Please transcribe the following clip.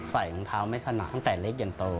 ใส่ของเท้าไม่สนักตั้งแต่เล็กจนโต